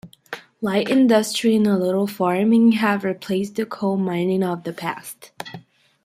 Light industry and a little farming have replaced the coal mining of the past.